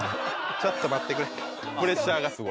ちょっと待ってくれプレッシャーがすごい。